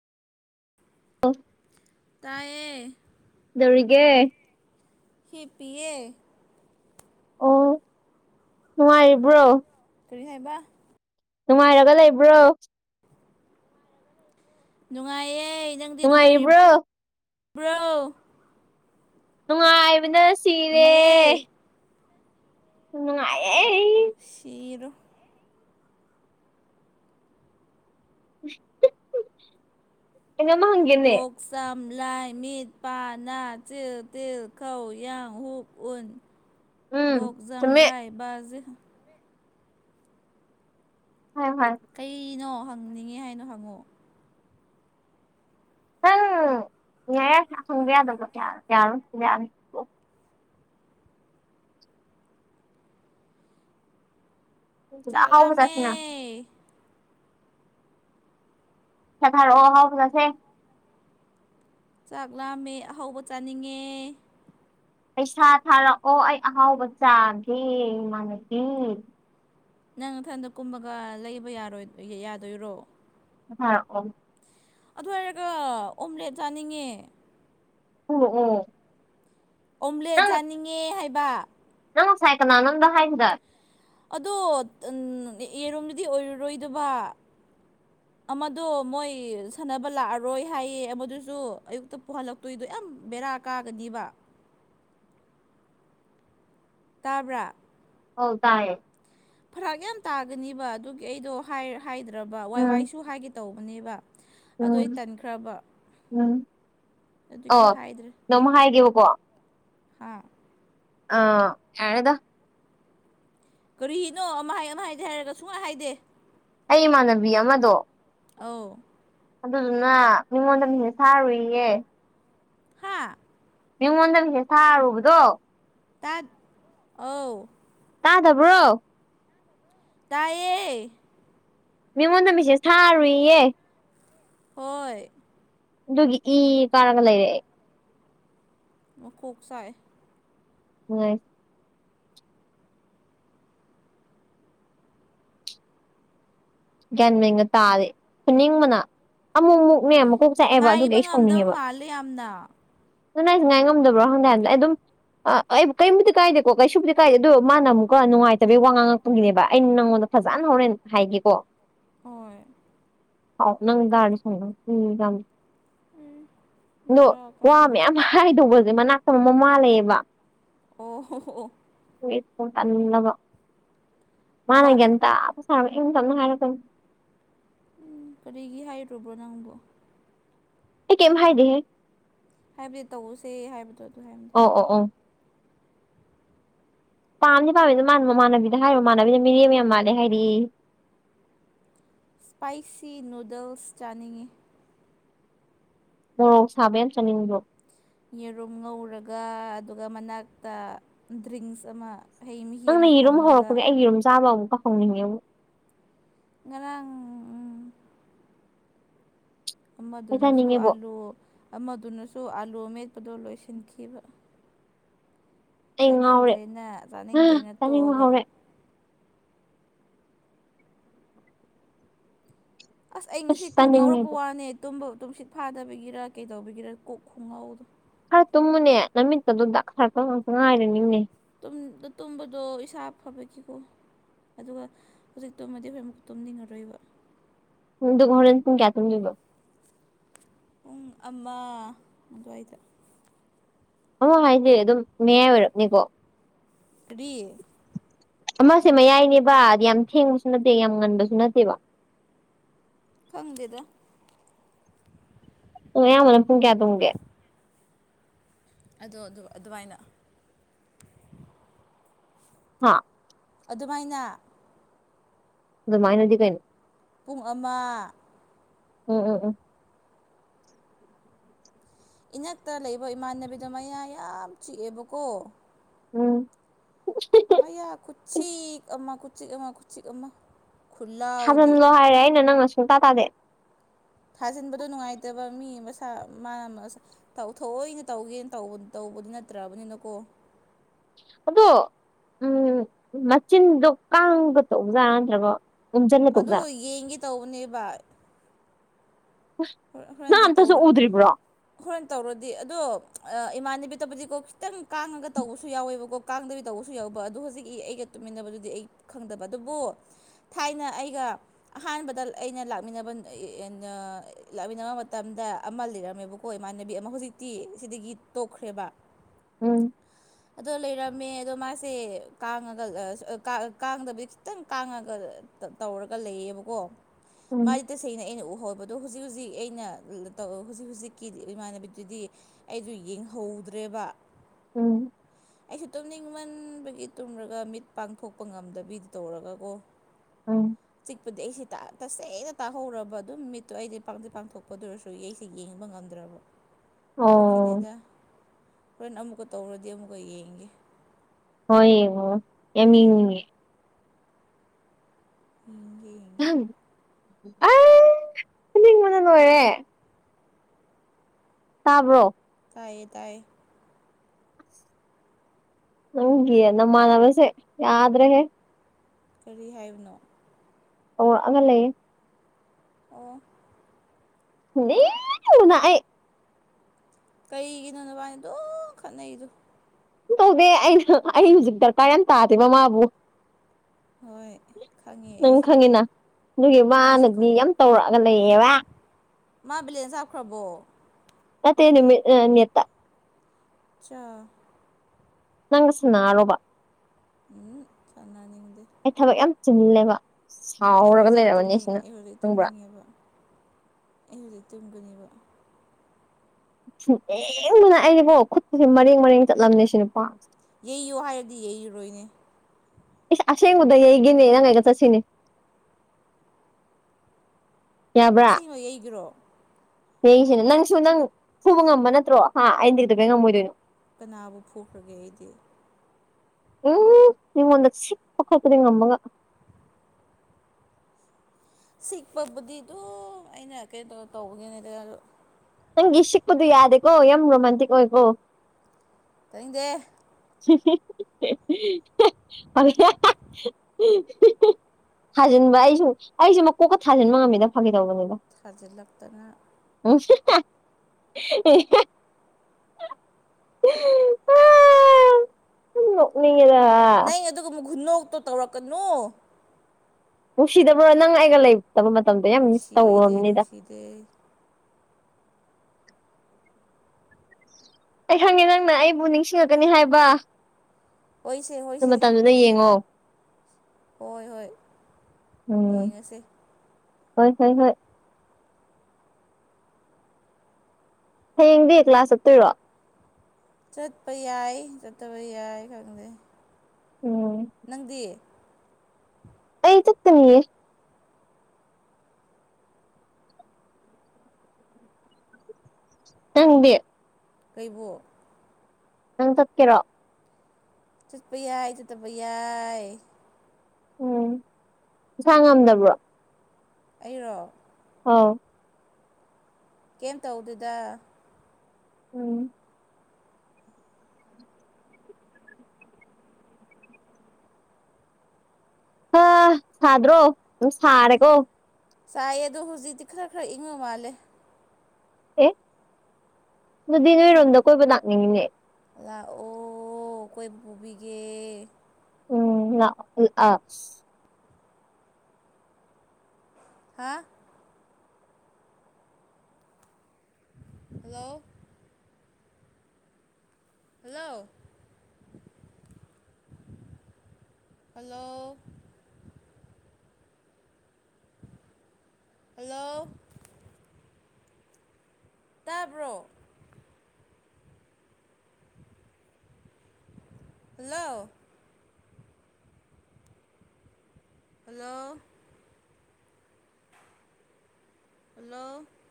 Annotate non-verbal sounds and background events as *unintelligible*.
ꯑꯣ ꯇꯌꯦ ꯀꯧꯗꯎꯔꯤꯒ ꯍꯄꯌꯧ ꯑꯣ ꯅꯨꯉꯥꯏꯔꯤꯕ꯭ꯔꯣ ꯀꯔꯤ ꯍꯥꯏꯕ ꯅꯨꯡꯉꯥꯏꯔꯒ ꯂꯩꯕ꯭ꯔꯣ ꯅꯨꯡꯉꯥꯏꯦ ꯅꯨꯡꯉꯥꯏꯔꯤꯕ꯭ꯔꯣ ꯕ꯭ꯔꯣ ꯅꯨꯡꯉꯥꯏꯕꯅ ꯁꯤꯔꯦ ꯅꯨꯡꯉꯥꯏꯌꯦ ꯅꯨꯡꯉꯥꯏꯌꯧ ꯁꯤꯔꯣ ꯀꯩꯅꯣ ꯑꯃ ꯍꯪꯒꯦꯅꯦ ꯑꯎ ꯂ ꯃ ꯄ ꯅ ꯆ ꯇ ꯈ ꯌ ꯍ ꯎ ꯎꯝ ꯒ ꯓ ꯆꯨꯝꯃꯦ ꯔ ꯕ ꯖ ꯍꯥꯏꯌꯣ ꯍꯥꯏꯌꯣ ꯀꯩꯅꯣ ꯍꯪꯅꯤꯡꯉꯦ ꯍꯥꯏꯅꯣ ꯍꯪꯉꯛꯑꯣ ꯅꯪ ꯌꯥ ꯈꯪꯕ ꯌꯥꯗꯕ ꯌꯥꯔꯣ ꯌꯥꯅꯤ ꯁꯤꯗ ꯑꯍꯥꯎꯕ ꯆꯥꯛꯂꯝꯃꯦ ꯆꯥꯁꯤꯅ ꯁ ꯊꯥ ꯑꯣꯍꯥꯎ ꯀꯦ ꯆꯥꯛ ꯂꯥꯝꯃꯦ ꯑꯍꯧꯕ ꯆꯥꯅꯤꯡꯉꯦ ꯄꯩꯁꯥ ꯊꯥꯔꯛꯑꯣ ꯑꯩ ꯑꯍꯥꯎꯕ ꯆꯥꯒꯦꯃꯥꯟꯅꯕꯤ ꯅꯪ ꯃꯊꯟꯗ ꯀꯨꯝꯕꯒ ꯂꯩꯕ ꯌꯥꯔ ꯌꯥꯗꯣꯏꯔꯣ ꯍꯥꯥ ꯑꯣ ꯑꯗꯨꯏꯔꯒ ꯑꯣꯝꯂꯦꯠ ꯆꯥꯅꯤꯡꯉꯦ ꯎꯝ ꯎꯝ ꯑꯣꯝꯂꯦꯠ ꯆꯥꯅꯤꯡꯉꯦ ꯍꯥꯏꯕ ꯅꯪꯁ ꯍꯥꯏꯅꯅꯗ ꯍꯥꯏꯗ ꯑꯗꯣ ꯌꯦꯔꯣꯝꯗꯗꯤ ꯑꯣꯏꯔꯔꯣꯏꯗꯕ ꯑꯃꯗꯣ ꯃꯣꯏ ꯁꯥꯟꯅꯕ ꯂꯥꯛꯑꯔꯣꯏ ꯍꯥꯏꯌꯦ ꯑꯃꯗꯨꯁꯨ ꯑꯌꯨꯛꯇ ꯄꯨꯍꯜꯂꯛꯇꯣꯏꯗꯣ ꯌꯥꯝ ꯕꯦꯔꯥ ꯀꯥ ꯀꯥꯒꯗꯤꯕ ꯇꯥꯕ꯭ꯔꯥ ꯍ ꯇꯥꯏ ꯐꯔꯥꯛ ꯌꯥꯝ ꯇꯥꯒꯅꯤꯕ ꯑꯗꯨꯒꯤ ꯑꯩꯗꯣ ꯍꯥꯏꯗ꯭ꯔꯕ ꯋꯥꯏ ꯎꯝ ꯋꯥꯏꯁꯨ ꯍꯥꯏꯒꯦ ꯇꯧꯕꯅꯦꯕ ꯑꯗꯨꯏ ꯎꯝ ꯇꯟꯈ꯭ꯔꯕ ꯑ ꯑꯗꯨꯒꯤ ꯅꯣꯡꯃ ꯍꯥꯏꯒꯦꯀꯣ ꯍꯥꯥ ꯑ ꯍꯔꯗ ꯀꯔꯤꯅꯣ ꯑꯃ ꯍꯥꯏ ꯑꯃ ꯍꯥꯏꯗꯤꯦ ꯍꯥꯏꯔꯒ ꯁꯨꯡꯉ ꯍꯥꯏꯗꯦ ꯑꯩ ꯏꯃꯥꯟꯅꯕꯤ ꯑꯃꯗꯣ ꯑ ꯑꯗꯨꯗꯨꯅ ꯃꯤꯉꯣꯟꯗꯁꯤꯅ ꯁꯥꯔꯨꯏꯌꯦꯦ ꯍꯥꯥ ꯃꯤꯉꯣꯟꯗꯪ ꯍꯦ ꯁꯥꯔꯨꯕꯗꯣ ꯇꯥꯛ ꯑ ꯇꯥ ꯇꯕ꯭ꯔꯣ ꯇꯌꯦꯦ ꯃꯤꯉꯣꯟꯗ ꯃꯤꯠꯁꯦ ꯁꯥꯔꯨꯏꯌꯦ ꯍꯣꯏ ꯑꯗꯨꯒꯤ ꯏ ꯀꯥꯔꯒ ꯂꯩꯔꯛꯦ ꯃꯨꯀꯣꯛ ꯁꯥꯏ ꯍꯣꯏ ꯒ꯭ꯌꯥꯟꯃꯤꯦꯟꯅ ꯇꯥꯔꯦ ꯈꯨꯅꯤꯡꯕꯅ ꯑꯃꯨꯛ ꯑꯃꯨꯛꯅꯦ ꯑꯃꯨꯛ ꯉꯥꯏꯕ ꯉꯝꯗꯕ ꯃꯥꯜꯂꯦ ꯌꯥꯝꯅ ꯁꯉꯥꯏꯁꯨ ꯉꯥꯏ ꯉꯝꯗꯕ꯭ꯔꯣ ꯍꯪꯗꯥꯏꯝꯗ ꯑꯩ ꯑꯗꯨꯝ ꯑ ꯑꯩ ꯀꯔꯤꯃꯗꯤ ꯀꯥꯏꯗꯦꯀꯣ ꯀꯩꯁꯨꯕꯨꯗꯤ ꯀꯥꯏꯗꯦ ꯑꯗꯣ ꯃꯥꯅ ꯑꯃꯨꯛꯀ ꯅꯨꯡꯉꯥꯏꯇꯕꯒꯤ ꯋꯥ ꯉꯥꯡꯉꯛꯄꯒꯤꯅꯦꯕ ꯑꯩꯅ ꯅꯪꯉꯣꯟꯗ ꯐꯖꯅ ꯍꯣꯔꯦꯟ ꯍꯥꯏꯒꯦꯀꯣ ꯍ ꯍꯥꯎ ꯅꯪ ꯑ ꯎꯝ ꯎꯝ ꯑꯗꯣ ꯕꯦꯔꯥ ꯋꯥ ꯀꯥꯏꯅ ꯃꯌꯥꯝ ꯍꯥꯏꯗꯧꯕꯁꯦ ꯃꯅꯥꯛꯇ ꯃ ꯃꯥꯥꯜ ꯂꯩꯑꯦꯕ ꯑꯣꯍꯣ ꯇꯥꯅꯤꯡꯂꯕ ꯃꯥꯅ ꯃꯃꯥ ꯒ ꯑꯝꯇꯥꯕ ꯁꯥ ꯏꯪ ꯇꯝꯅ ꯍꯥꯏꯔꯛꯄ ꯑ ꯎꯝ ꯀꯔꯤꯒꯤ ꯍꯥꯏꯨꯔꯕ꯭ꯔꯣ ꯅꯪꯕꯨ ꯍ ꯀꯦꯝ ꯍꯥꯏꯗꯤꯦꯍꯦ ꯍꯥꯏꯕꯗꯤ ꯇꯧꯁꯦ ꯍꯥꯏꯕꯗꯣ ꯑꯗꯨ ꯍꯥꯏꯕꯅꯦ ꯑꯣ ꯑꯣ ꯑꯣ ꯄꯥꯝꯗꯤ ꯄꯥꯝꯃꯤꯗꯣ ꯃꯃꯥꯟꯅꯕꯤꯗ ꯍꯥꯏꯣꯃꯅꯕꯤꯗ ꯃꯤꯔꯦꯝ ꯌꯥꯝ ꯃꯥꯜꯂꯦ ꯍꯥꯏꯗꯤ ꯏꯁꯄꯥꯏꯁꯤꯤ ꯅꯨꯗꯜꯁ ꯆꯥꯅꯤꯡꯉꯦ ꯃꯣꯔꯣꯛ ꯁꯥꯕꯅ ꯆꯪꯅꯤꯡꯕ꯭ꯔꯣ ꯌꯦꯔꯨꯝ ꯉꯧꯔꯒ ꯑꯗꯨꯒ ꯃꯅꯥꯛꯇ ꯗ꯭ꯔꯤꯡꯁ ꯑꯃ ꯍꯩ ꯃꯍꯤ ꯅꯪꯅ ꯑꯃ ꯌꯦꯔꯨꯝ ꯊꯝꯂꯒ ꯍꯧꯔꯛꯄꯒꯤ ꯑꯩ ꯌꯦꯔꯨꯝ ꯆꯥꯕ ꯑꯃꯨꯛꯀꯥꯎ ꯍꯧꯅꯤꯡꯉꯦ ꯑꯃꯨꯛ ꯉꯂꯥꯡ ꯎ ꯑꯩ ꯑꯃꯗꯨꯅꯁꯨ ꯆꯥꯅꯤꯡꯉꯦꯕꯣ ꯑꯥꯂꯨ ꯑꯃꯗꯨꯅꯁꯨ ꯑꯂꯨ ꯔꯣꯃꯦꯠꯄꯗꯣ ꯂꯣꯏꯁꯤꯟꯈꯤꯕ ꯑꯩ ꯉꯥꯎꯔꯦ ꯆꯥꯅꯤꯡꯗ꯭ꯔꯦꯅ ꯍꯥ ꯆꯥꯅꯤꯡꯗ꯭ꯔꯦꯅ ꯆꯥꯅꯤꯡꯕ ꯇꯣꯛꯑꯒ ꯍꯧꯔꯦ ꯑꯁ ꯑꯩ ꯉꯁꯤ ꯀꯣꯛ ꯉꯥꯎꯔꯛꯄ ꯋꯥꯅꯦ ꯇꯨꯝꯁꯤꯠ ꯐꯥꯗꯕꯤꯒꯤꯔꯥ ꯀꯩꯗꯧꯕꯒꯤꯔ ꯀꯣꯛ ꯈꯣꯡꯉꯥꯎꯎꯗꯣ ꯈꯔ ꯇꯨꯝꯃꯨꯅꯦ ꯅꯨꯃꯤꯠꯇꯗꯨꯗ ꯁꯥꯔꯄ ꯉꯛꯇ ꯉꯥꯏꯔꯅꯤꯅꯦ ꯇꯨꯝꯕꯗꯣ ꯏꯁꯥ ꯐꯕꯒꯤꯀꯣ ꯑꯗꯨꯒ ꯍꯧꯖꯤꯛ ꯇꯨꯝꯃꯗꯤ ꯍꯖꯤꯣꯏ ꯑꯃꯨꯛ ꯇꯨꯝꯅꯤꯡꯉꯔꯣꯏꯕ ꯗꯨ ꯍꯔꯦꯟ ꯇꯨꯡ ꯀꯦꯇꯣꯟ ꯌꯕꯣ ꯄꯨꯡ ꯑꯃ ꯑꯗꯨꯋꯥꯏꯗ ꯑꯣ ꯍꯥꯏꯁꯦ ꯑꯗꯨꯝ ꯃꯌꯥꯏ ꯑꯣꯏꯔꯞꯅꯤꯀꯣ ꯇꯔꯤ ꯑꯃꯁꯦ ꯃꯌꯥꯏꯅꯦꯕ ꯌꯥꯝ ꯊꯦꯡꯕꯁꯨ ꯅꯠꯇꯦ ꯌꯥꯝ ꯉꯟꯕꯁꯨ ꯅꯠꯇꯦꯕ ꯈꯪꯗꯦꯗ ꯑꯣ ꯑꯌꯥꯝꯕꯅ ꯄꯨꯡ ꯀꯌꯥ ꯇꯣꯡꯒꯦ ꯑꯗꯣ ꯑꯗꯨ ꯑꯗꯨꯃꯥꯏꯅ ꯍꯥꯥ ꯑꯗꯨꯃꯥꯏꯅ ꯑꯗꯨ ꯃꯥꯏꯅꯗꯤ ꯀꯥꯏꯅ ꯄꯨꯡ ꯑꯃ ꯎꯝ ꯎꯝ ꯎꯝ ꯏꯅꯛꯇ ꯂꯩꯕ ꯏꯃꯥꯟꯅꯕꯤꯗꯣ ꯃꯌꯥ ꯌꯥꯝ ꯆꯤꯛꯑꯦꯕꯀꯣ ꯎꯝ ꯃꯌꯥ ꯈꯨꯠꯤ ꯑꯃ ꯈꯨꯤꯛ ꯑꯃ ꯈꯨꯠꯤꯛ ꯑꯃ ꯈꯨꯠꯂꯥꯎꯗꯤ ꯊꯖꯤꯜꯂꯣ ꯍꯥꯏꯔꯦ ꯑꯩꯅ ꯅꯪꯅ ꯁꯨꯡꯇꯥ ꯇꯥꯗꯦ ꯊꯥꯖꯤꯟꯕꯗꯣ ꯅꯨꯡꯉꯥꯏꯇꯕ ꯃꯤ ꯃꯁꯥ ꯃꯥꯅ ꯊꯣꯏꯏꯅ ꯇꯧꯒꯦꯅ ꯇꯧꯕ ꯇꯧ ꯇꯧꯕꯗꯤ ꯅꯠꯇ꯭ꯔꯕꯅꯤꯅꯀꯣ ꯑꯗꯣ ꯎꯝ ꯃꯆꯤꯟꯗꯣ ꯀꯥꯡꯒ ꯇꯎꯖꯥꯔꯥ ꯅꯠꯇ꯭ꯔꯒꯣ ꯑꯗꯨ ꯌꯦꯡꯒꯦ ꯇꯧꯕꯅꯦ ꯚꯏ ꯅꯪ ꯑꯝꯇꯁꯨ ꯇꯧꯔ ꯎꯗ꯭ꯔꯤꯕ꯭ꯔꯣ ꯍꯣꯔꯦꯟ ꯇꯧꯔꯗꯤ ꯑꯗꯣ ꯏꯃꯥꯟꯅꯕꯤ ꯇꯕꯨꯗꯤꯀꯣ ꯈꯤꯇꯪ ꯀꯥꯡꯉꯒ ꯇꯧꯕꯁꯨ ꯌꯥꯎꯋꯦꯕꯀꯣ ꯀꯥꯡꯗꯕꯤ ꯇꯧꯕꯁꯨ ꯌꯥꯎꯋꯦ ꯇꯟꯅꯕ ꯈꯪꯕ ꯑꯗꯨꯕꯨ ꯊꯥꯏꯅ ꯑꯩ ꯑꯥꯟꯕ ꯗ ꯑꯩꯅ ꯂꯥꯛꯃꯤꯟꯅꯕ ꯂꯥꯛꯃꯤꯟꯅꯕ ꯃꯇꯝꯗ ꯑꯃ ꯂꯩꯔꯝꯃꯦꯕꯀꯣ ꯏꯃꯥꯟꯅꯕꯤ ꯑꯃ ꯍꯧꯖꯤꯛꯇꯤ ꯁꯤꯗꯒꯤ ꯇꯣꯛꯈ꯭ꯔꯦꯕ ꯎꯝ ꯑꯗꯣ ꯂꯩꯔꯝꯃꯦ ꯑꯗꯣ ꯃꯥꯁꯦ ꯀꯥꯡꯉꯒ ꯀꯥꯡꯗꯕꯗꯤ ꯈꯤꯇꯪ ꯀꯥꯡꯉꯒ ꯇꯧꯔꯒ ꯂꯩꯌꯦꯕꯀꯣ ꯎꯝ ꯃꯥꯗꯤ ꯇꯁꯦꯡꯅ ꯑꯩꯅ ꯎꯍꯧꯕꯗꯣ ꯍꯧꯖꯤꯛ ꯍꯧꯖꯤꯛ ꯑꯩꯅ ꯍꯧꯖꯤꯛ ꯍꯧꯖꯤꯛꯀꯤ ꯏꯃꯥꯟꯅꯕꯤꯗꯨꯗꯤ ꯑꯩꯗꯨ ꯌꯦꯡꯍꯧꯗ꯭ꯔꯦꯕ ꯎꯝ ꯑꯩꯁꯨ ꯇꯨꯝꯅꯤꯡꯃꯟꯕꯒꯤ ꯇꯨꯝꯔꯒ ꯃꯤꯠ ꯄꯥꯡꯊꯣꯛꯄ ꯉꯝꯗꯕꯤꯗꯨ ꯇꯧꯔꯒꯀꯣ ꯑ ꯃꯤꯠꯄꯗꯤ ꯑꯩꯁꯦ ꯇꯁꯦꯡꯅ ꯇꯥꯍꯧꯔꯕ ꯑꯗꯨꯝ ꯃꯤꯠ ꯑꯗꯣ ꯑꯩꯗꯤ ꯄꯁ ꯄꯥꯡꯊꯣꯛꯄꯗꯨꯔꯁꯨ ꯌꯁꯦ ꯌꯦꯡꯕ ꯉꯝꯗ꯭ꯔꯕ ꯑꯣ ꯑꯗꯨꯒꯤꯅꯤꯗ ꯍꯣꯔꯦꯟ ꯑꯃꯨꯛꯀ ꯇꯧꯔꯗꯤ ꯑꯃꯨꯛꯀ ꯌꯦꯡꯒꯦ ꯍꯣꯏ ꯑꯃꯤ ꯏ ꯌꯦꯡꯒꯦ ꯌꯦꯡꯒꯦ ꯑꯦ ꯑꯅꯤꯡꯕꯅ ꯂꯣꯏꯔꯦ ꯇꯥꯕ꯭ꯔꯣ ꯇꯥꯏꯌꯦ ꯇꯥꯏ ꯅꯪꯒꯤ ꯅꯃꯅꯕꯁꯦ ꯌꯥꯗ꯭ꯔꯦ ꯍꯦ ꯀꯔꯤ ꯍꯥꯏꯕꯅꯣ ꯑꯣ ꯑꯉ ꯂꯩ ꯑꯣ ꯅꯅꯑꯥꯏ ꯀꯩꯒꯤꯅꯣ ꯅꯚꯕꯥꯅꯤ ꯑꯗꯨꯝ ꯈꯠꯅꯩꯗꯨꯣ ꯇꯧꯗꯦ ꯑꯩꯅ ꯑꯩ ꯍꯧꯖꯤꯛ ꯗꯔꯀꯔ ꯌꯥꯝ ꯇꯥꯗꯦ ꯃꯃꯥꯕꯨ ꯍꯣꯏ ꯈꯪꯉꯦ ꯅꯪ ꯑꯩꯁꯨ ꯈꯪꯉꯤꯅ ꯑꯗꯨꯒꯤ ꯑꯩꯁꯨ ꯃꯥꯅꯗꯤ ꯈꯪꯉꯦ ꯌꯥꯝ ꯇꯧꯔꯛꯑꯒ ꯂꯩꯌꯦꯕ ꯃꯥ ꯕꯂꯦꯟ ꯍꯥꯞꯈ꯭ꯔꯕꯣ ꯑꯇꯩ ꯅꯨꯃꯤ ꯑꯅꯤꯠꯇ ꯆ ꯅꯪꯁꯨꯟꯅ ꯔꯣꯕ ꯎꯝ ꯆꯟꯅ ꯅꯤꯡꯗꯤꯦ ꯆꯜꯂꯦꯕ ꯑꯩ ꯍꯧꯖꯤꯛ ꯇꯨꯝꯅꯤꯡ ꯑꯩ ꯍꯧꯖꯤꯛ ꯈꯪꯕ꯭ꯔꯥ ꯇꯨꯝꯅꯤꯡꯉꯦꯕ ꯑꯩ ꯍꯧꯖꯤꯛ ꯇꯨꯝꯕꯅꯦꯕ ꯌꯦ ꯃꯅ ꯑꯩꯅꯦꯕꯣ ꯈꯨꯠꯇꯨꯁꯦ ꯃꯔꯦꯡ ꯃꯔꯦꯡ ꯆꯠꯂꯝꯅꯦ ꯁꯤ ꯅꯨꯄꯥ ꯌꯩꯌꯨ ꯍꯥꯏꯔꯗꯤ ꯌꯩꯔꯨꯔꯣꯏꯅꯦ ꯑꯁꯥꯏ ꯃꯗꯥ ꯌꯦꯒꯦꯅꯦ ꯅꯪꯉꯥꯏꯒ ꯆ ꯁꯤꯅꯦ ꯁꯃ ꯌꯩꯈ꯭ꯔꯣ ꯍꯁꯤꯅ ꯅꯪꯁꯨ ꯅꯪ ꯁꯨꯕ ꯉꯝꯕ ꯅꯠꯇ꯭ꯔꯣ ꯍꯥ ꯑꯩꯅꯗꯤ ꯀꯩꯗ ꯀꯩ ꯉꯝꯃꯣꯏꯗꯣꯏꯅꯣ ꯀꯅꯥꯕꯨ ꯐꯨꯈ꯭ꯔꯒꯦ ꯑꯩꯗꯤ ꯎꯝ ꯃꯤꯉꯣꯟꯗ ꯁꯤꯤꯄ ꯀꯠꯇꯗꯉꯃꯒ *unintelligible* ꯁꯤꯛꯄꯕꯨꯗꯤ ꯑꯗꯨꯝ ꯑꯩꯅ ꯀꯩꯧ ꯇꯧꯕꯒꯤꯅꯦ ꯅꯪꯒꯤ ꯁꯤꯛꯄꯗꯨ ꯌꯥꯗꯦꯀꯣ ꯌꯥꯝ ꯔꯣꯃꯥꯟꯇꯤꯛ ꯑꯣꯏꯀꯣ ꯇꯔꯤꯗꯦ *unintelligible* ꯊꯥꯖꯤꯟꯕ ꯑꯩꯁꯨ ꯑꯩꯁꯨꯦ ꯃꯀꯣꯛꯀ ꯊꯥꯖꯤꯟꯕ ꯉꯝꯃꯤꯗꯅ ꯐꯪꯒꯦ ꯇꯧꯕꯅꯦ ꯊꯥꯖꯤꯜꯂꯛꯇꯅ *unintelligible* ꯅꯤꯡꯉꯗ ꯈꯨꯨꯟꯅꯧꯇꯣ ꯇꯧꯔꯛꯀꯅꯨ ꯅꯨꯡꯁꯤꯗꯕꯣ ꯅꯪ ꯑꯩꯒ ꯂꯩꯇꯕ ꯃꯇꯝꯗꯣ ꯌꯥꯝ ꯃꯤꯁ ꯅꯨꯡꯁꯤꯗꯦ ꯇꯧꯕꯅꯤꯗ ꯅꯨꯡꯁꯤꯗꯦ ꯑꯩ ꯈꯪꯉꯦ ꯅꯪꯅ ꯑꯩꯕꯨ ꯅꯤꯡꯁꯤꯡꯂꯛꯀꯅꯤ ꯍꯥꯏꯕ ꯍꯣꯏꯁꯦ ꯑꯗꯨ ꯍꯣꯏꯁꯦ ꯃꯇꯝꯗꯨꯗ ꯌꯦꯡꯉꯣ ꯍꯣꯏ ꯍꯣꯏ ꯎꯝ ꯌꯦꯡꯉꯁꯦ ꯍꯣꯏ ꯍꯣꯏ ꯍꯣꯏ ꯍꯌꯦꯡꯗꯤ ꯀ꯭ꯂꯥꯁ ꯆꯞꯠꯇꯣꯏꯔꯣ ꯆꯠꯄ ꯌꯥꯏ ꯆꯠꯇꯕ ꯌꯥꯏ ꯈꯪꯗꯦ ꯎꯝ ꯅꯪꯗꯤ ꯑꯩ ꯆꯠꯠꯇꯃꯤꯌꯦ ꯅꯪꯗꯤ ꯑꯩꯕꯣ ꯅꯪ ꯆꯠ ꯀꯦꯔꯣꯑꯣ ꯆꯠꯄ ꯌꯥꯏ ꯆꯤꯠꯇꯕ ꯌꯥꯏ ꯎꯝ ꯏꯁꯁꯥ ꯉꯝꯗꯕ꯭ꯔꯣ ꯑꯩꯔꯣ ꯑꯥꯎ ꯀꯩꯦꯝꯇꯧꯗꯨꯗ ꯎꯝ ꯍꯥ ꯁꯥꯗ꯭ꯔꯣ ꯁꯔꯦ ꯀꯣ ꯆꯥꯏꯌꯦ ꯑꯗꯣ ꯍꯧꯖꯤꯛꯇꯤ ꯈꯔ ꯈꯔ ꯏꯪꯕ ꯃꯥꯜꯂꯦ ꯑꯦ ꯑꯗꯨꯗꯤ ꯅꯣꯏꯔꯣꯝꯗ ꯀꯣꯏꯕ ꯂꯥꯛꯅꯤꯡꯉꯤꯅꯦ ꯂꯥꯛꯑꯣ ꯀꯣꯏ ꯄꯨꯕꯤꯒꯦ ꯎꯝ ꯑ ꯍꯥ ꯍꯜꯂꯣ ꯍꯜꯂꯣ ꯍꯂꯣ ꯍꯜꯂꯣ ꯇꯥꯕ꯭ꯔꯣ ꯂ ꯍꯜꯂꯣ ꯍꯜꯂꯣ